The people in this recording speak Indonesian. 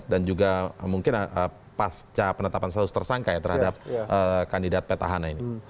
dan juga mungkin pasca penetapan selalu tersangka ya terhadap kandidat peta hana ini